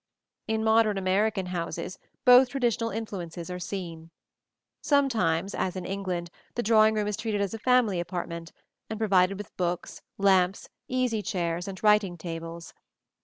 In modern American houses both traditional influences are seen. Sometimes, as in England, the drawing room is treated as a family apartment, and provided with books, lamps, easy chairs and writing tables.